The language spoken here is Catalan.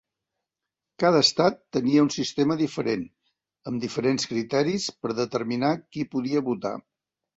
Cada estat tenia un sistema diferent, amb diferents criteris per determinar qui podia votar.